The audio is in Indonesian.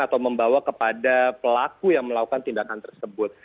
atau membawa kepada pelaku yang melakukan tindakan tersebut